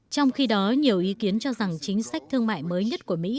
trong khi đó nhiều ý kiến cho rằng chính sách thương mại mới nhất của mỹ